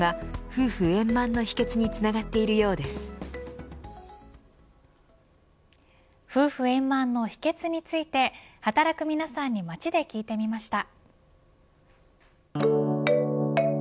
夫婦円満の秘訣について働く皆さんに街で聞いてみました。